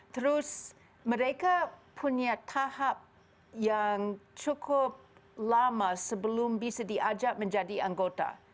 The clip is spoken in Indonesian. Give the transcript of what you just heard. terus mereka punya tahap yang cukup lama sebelum bisa diajak menjadi anggota